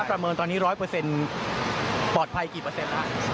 ถ้าประเมิงตอนนี้๑๐๐ปลอดภัยกี่ปลา